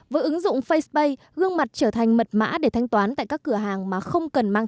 với ứng dụng facepay gương mặt trở thành mật mã để thanh toán tại các cửa hàng mà không cần mang